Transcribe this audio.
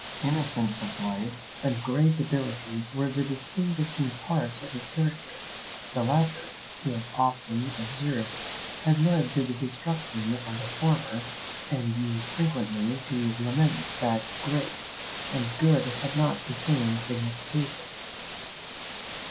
Innocence of life and great ability were the distinguishing parts of his character; the latter, he had often observed, had led to the destruction of the former, and used frequently to lament that great and good had not the same signification.